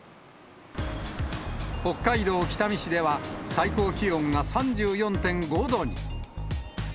北海道北見市では、最高気温が３４．５度に。